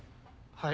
はい。